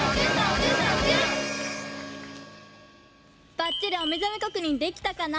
ばっちりおめざめ確認できたかな？